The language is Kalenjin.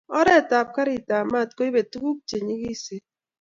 Oret ab garit ab mat koibe tuguk che nyigisen